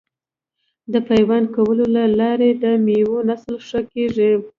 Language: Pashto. د پیوند کولو له لارې د میوو نسل ښه کیږي.